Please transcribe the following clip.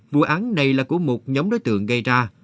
vụ án này là của một nhóm đối tượng gây ra